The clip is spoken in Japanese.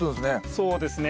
そうですね。